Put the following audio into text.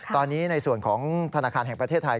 ตอนนี้ในส่วนของธนาคารแห่งประเทศไทย